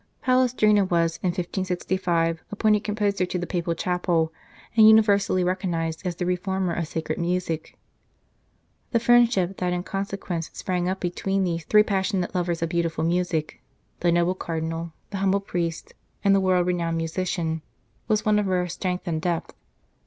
Palestrina was in 1565 appointed composer to the Papal chapel, and universally recognized as the reformer of sacred music. The friendship that in consequence sprang up between these three passionate lovers of beautiful music the noble Cardinal, the humble priest, and the world renowned musician was one of rare 35 St. Charles Borromeo strength and depth.